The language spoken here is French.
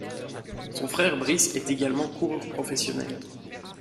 Son frère Brice est également coureur professionnel.